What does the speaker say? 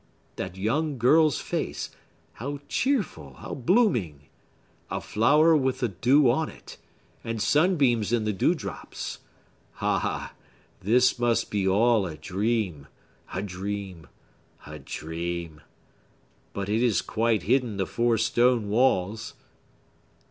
That young girl's face, how cheerful, how blooming!—a flower with the dew on it, and sunbeams in the dew drops! Ah! this must be all a dream! A dream! A dream! But it has quite hidden the four stone walls!"